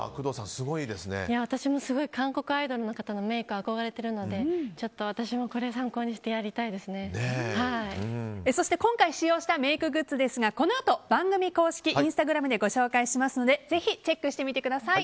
私もすごい韓国アイドルの方のメイク、憧れてるのでちょっと私もそして今回使用したメイクグッズですがこのあと番組公式インスタグラムでご紹介しますのでぜひチェックしてみてください。